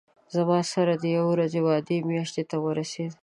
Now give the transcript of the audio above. زما سره د یوې ورځې وعده میاشتې ته ورسېده.